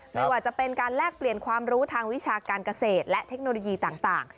ไม่ว่าจะเป็นการแลกเปลี่ยนความรู้ทางวิชาการเกษตรและเทคโนโลยีต่าง